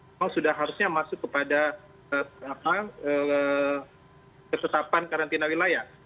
memang sudah harusnya masuk kepada ketetapan karantina wilayah